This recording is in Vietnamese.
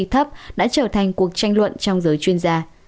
thấp đã trở thành cuộc tranh luận trong giới chuyên gia